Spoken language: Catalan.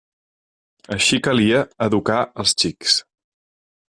Així calia educar els xics.